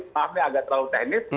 maaf ini agak terlalu teknis